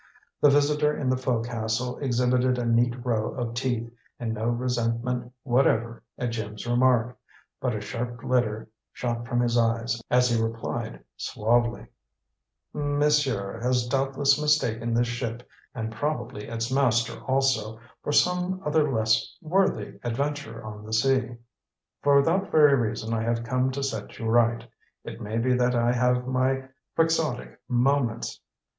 The visitor in the fo'cas'le exhibited a neat row of teeth and no resentment whatever at Jim's remark, But a sharp glitter shot from his eyes as he replied suavely: "Monsieur has doubtless mistaken this ship, and probably its master also, for some other less worthy adventurer on the sea. For that very reason I have come to set you right. It may be that I have my quixotic moments.